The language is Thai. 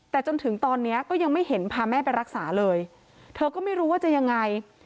แต่จนถึงตอนนี้ก็ยังไม่เห็นพาแม่ไปรักษาเลยเธอก็ไม่รู้ว่าจะยังไง